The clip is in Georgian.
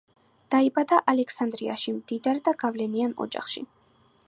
დაიბადა ალექსანდრიაში, მდიდარ და გავლენიან ოჯახში.